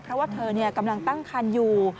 เพราะว่าเธอกำลังตั้งคันอยู่